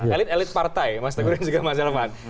elit elit partai mas teguhin juga mas yelfan